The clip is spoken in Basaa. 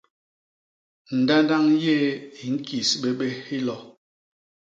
Ndandañg yéé i ñkis bé bés hilo.